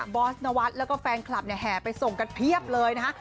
บอสนวัสแล้วก็แฟนคลับแห่ไปส่งกันเพียบเลยนะคะ